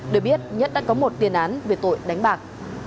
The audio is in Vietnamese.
để biết nhất đã có một tiền án về tội đánh bạc